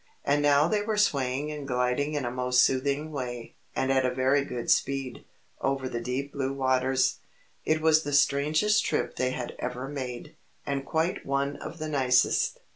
And now they were swaying and gliding in a most soothing way, and at a very good speed, over the deep blue waters. It was the strangest trip they had ever made, and quite one of the nicest.